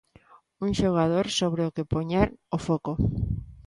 Un xogador sobre o que poñer o foco.